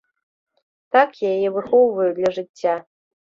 Так я яе выхоўваю для жыцця.